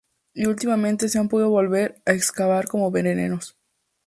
Y últimamente se ha podido volver a excavar como veremos.